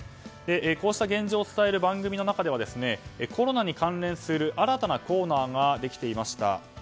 こうした現状を伝える番組の中ではコロナに関連する新たなコーナーができていました。